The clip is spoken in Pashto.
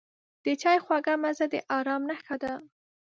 د چای خوږه مزه د آرام نښه ده.